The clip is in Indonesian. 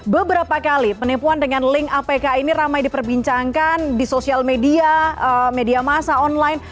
beberapa kali penipuan dengan link apk ini ramai diperbincangkan di sosial media media masa online